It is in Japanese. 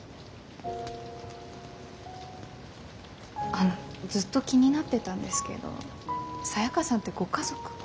あのずっと気になってたんですけどサヤカさんってご家族は？